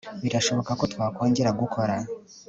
Birashoboka ko twakongera gukora